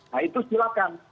nah itu silakan